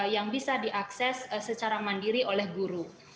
yang bisa diakses secara mandiri oleh guru